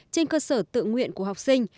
trên cơ sở tự nguyện của học sinh